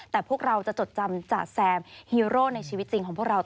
แต่พวกเราจะจดจำจ๋าแซมฮีโร่ในชีวิตจริงของพวกเราต่อ